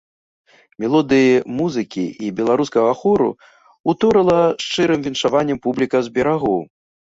Мелодыі музыкі і беларускага хору ўторыла шчырым віншаваннем публіка з берагоў.